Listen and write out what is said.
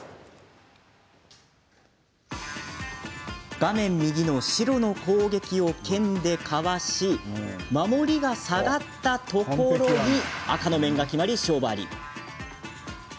画面右の白の攻撃を剣でかわし守りが下がったところに赤の面が決まり、勝負あり。